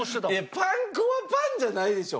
パン粉はパンじゃないでしょ。